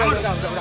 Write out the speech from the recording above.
udah udah udah